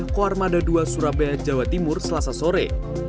kuarmada dua surabaya jawa timur selasa sore